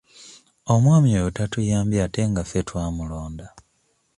Omwami oyo tatuyambye ate nga ffe twamulonda.